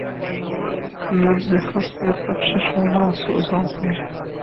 نبضِ خس سے تپشِ شعلہٴ سوزاں سمجھا